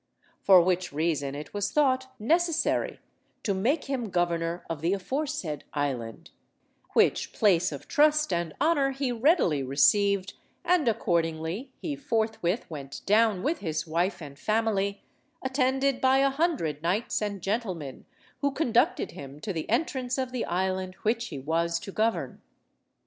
For which reason it was thought necessary to make him governor of the aforesaid island, which place of trust and honour he readily received, and accordingly he forthwith went down with his wife and family, attended by a hundred knights and gentlemen, who conducted him to the entrance of the island which he was to govern.